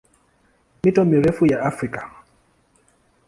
Mito mirefu ya Afrika